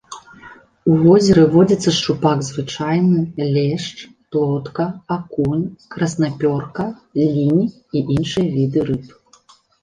У возеры водзяцца шчупак звычайны, лешч, плотка, акунь, краснапёрка, лінь і іншыя віды рыб.